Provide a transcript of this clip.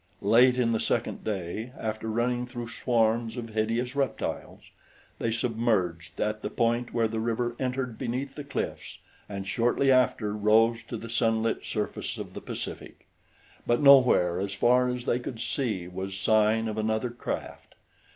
Late in the second day, after running through swarms of hideous reptiles, they submerged at the point where the river entered beneath the cliffs and shortly after rose to the sunlit surface of the Pacific; but nowhere as far as they could see was sign of another craft.